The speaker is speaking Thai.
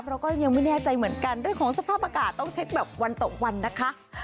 เราก็ยังไม่แน่ใจเหมือนกันเรื่องของสภาพอากาศต้องเช็คแบบวันตกวันนะคะ